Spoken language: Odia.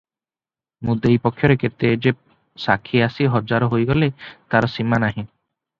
ମୁଦେଇ ପକ୍ଷରେ କେତେ ଯେ ସାକ୍ଷୀ ଆସି ହାଜର ହୋଇଗଲେ ତାର ସୀମା ନାହିଁ ।